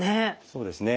そうですね。